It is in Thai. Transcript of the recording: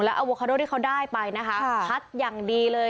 แล้วอโวคาโดของเขาได้คัดอย่างดีเลย